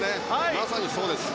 まさにそうです。